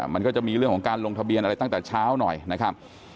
มันก็จะมีเรื่องของการลงทะเบียนอะไรตั้งแต่เช้าหน่อยนะครับ